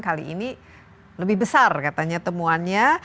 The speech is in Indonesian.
kali ini lebih besar katanya temuannya